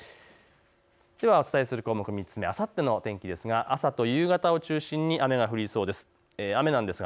では、お伝えする項目３つ目あさっての天気ですが朝と夕方を中心に雨が降りそうです。